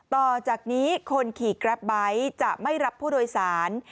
ต่อจากนี้คนขี่แกรปไบท์จะไม่รับผู้โดยสาร